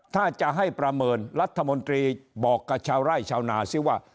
ถ้าจะให้ประเมินรัฐมนตรีบอกกับชาวไร่ชาวนาซิว่า